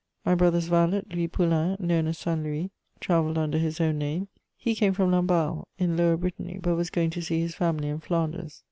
My brother's valet, Louis Poullain, known as Saint Louis, travelled under his own name; he came from Lamballe, in Lower Brittany, but was going to see his family in Flanders.